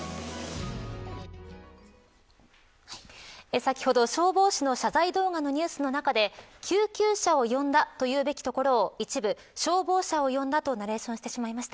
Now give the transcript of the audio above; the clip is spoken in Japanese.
先ほど、消防士の謝罪動画のニュースの中で救急車を呼んだというべきところを一部、消防車を呼んだとナレーションしてしまいました。